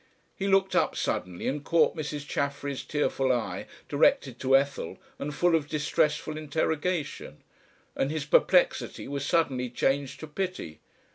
He looked up suddenly and caught Mrs. Chaffery's tearful eye directed to Ethel and full of distressful interrogation, and his perplexity was suddenly changed to pity.